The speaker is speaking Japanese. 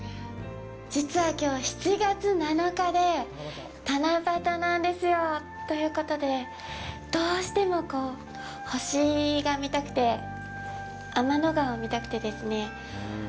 実は、きょう７月７日で七夕なんですよ。ということで、どうしても星が見たくて天の川を見たくてですね。